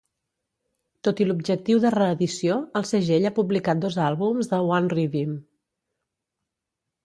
Tot i l'objectiu de reedició, el segell ha publicat dos àlbums de One-Riddim.